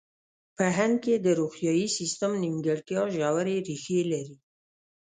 په هند کې د روغتیايي سیستم نیمګړتیا ژورې ریښې لري.